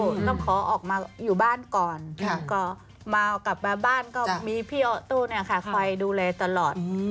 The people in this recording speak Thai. ต้องขอออกมาอยู่บ้านก่อนก็เมากลับมาบ้านก็มีพี่ออตู้เนี่ยค่ะคอยดูแลตลอด